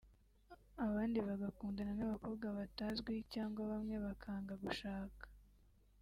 abandi bagakundana n’abakobwa batazwi cyangwa bamwe bakanga gushaka